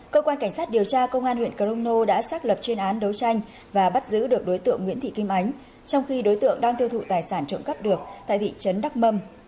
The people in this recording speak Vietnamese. cơ quan cảnh sát điều tra công an huyện crono đã xác lập chuyên án đấu tranh và bắt giữ được đối tượng nguyễn thị kim ánh trong khi đối tượng đang tiêu thụ tài sản trộm cắp được tại thị trấn đắc mâm